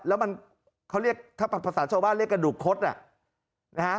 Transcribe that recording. แล้วมันเขาเรียกถ้าภาษาชาวบ้านเรียกกระดูกคดนะฮะ